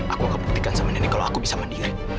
aku akan buktikan sama nenek kalau aku bisa mandiri